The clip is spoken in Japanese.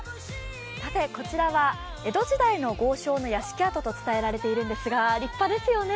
さてこちらは江戸時代の豪商の屋敷跡と伝えられているんですけれども立派ですよね。